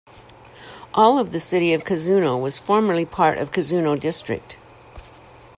All of the city of Kazuno was formerly part of Kazuno District.